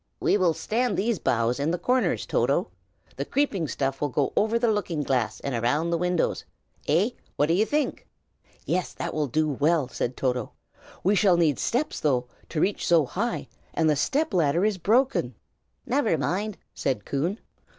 "We will stand these big boughs in the corners, Toto. The creeping stuff will go over the looking glass and round the windows. Eh, what do you think?" "Yes, that will do very well," said Toto. "We shall need steps, though, to reach so high, and the step ladder is broken." "Never mind!" said Coon.